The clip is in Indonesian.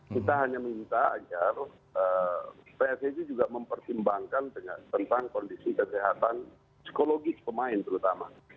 kita hanya minta agar pssi juga mempertimbangkan tentang kondisi kesehatan psikologis pemain terutama